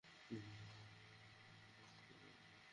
কুরাইশদের নির্যাতনের মাত্রা কিছুটা রহিত করেছে।